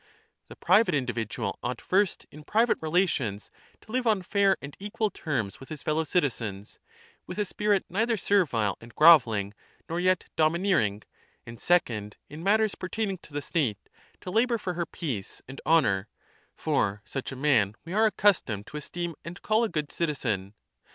The private individual ought first, in private rela (4) private tions, to live on fair and equal terms with his fellow citizens, with a spirit neither servile and grovelling nor yet domineering; and second, in matters per taining to the state, to labour for her peace and honour; for such a man we are accustomed to esteem and call a good citizen.